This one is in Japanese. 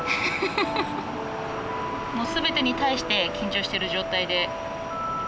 フフフもう全てに対して緊張してる状態で。